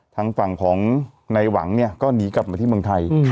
ทางฝั่งของในหวังเนี่ยก็หนีกลับมาที่เมืองไทย